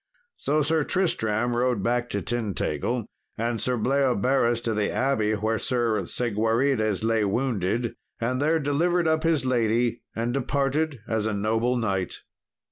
So Sir Tristram rode back to Tintagil, and Sir Bleoberis to the abbey where Sir Segwarides lay wounded, and there delivered up his lady, and departed as a noble knight.